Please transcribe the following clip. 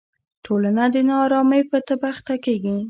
ټولنه د نا ارامۍ په تبه اخته کېږي.